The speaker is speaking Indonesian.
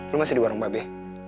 lo masih di warung babe